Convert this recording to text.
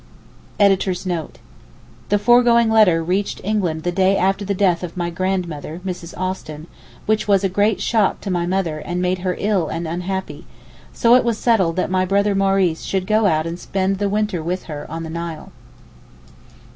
[The foregoing letter reached England the day after the death of my grandmother, Mrs. Austin, which was a great shock to my mother and made her ill and unhappy; so it was settled that my brother Maurice should go out and spend the winter with her on the Nile.